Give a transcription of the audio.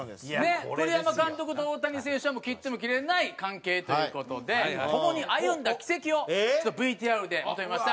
栗山監督と大谷選手は切っても切れない関係という事で共に歩んだ軌跡をＶＴＲでまとめました。